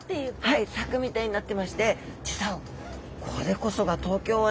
はい柵みたいになってまして実はこれこそが伝統漁法？